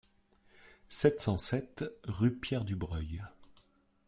sept cent sept rue Pierre Dubreuil